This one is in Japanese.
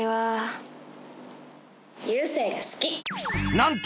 何と！